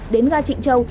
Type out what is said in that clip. đến ga trịnh châu